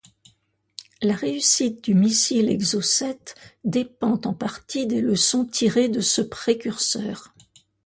La réussite du missile Exocet dépend en partie des leçons tirées de ce précurseur.